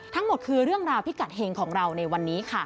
ทั้งหมดคือเรื่องราวพิกัดเฮงของเราในวันนี้ค่ะ